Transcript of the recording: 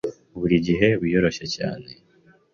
buri gihe wiyoroshye cyane